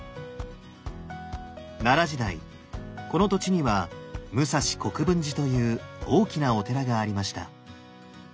奈良時代この土地には武蔵国分寺という大きなお寺がありました。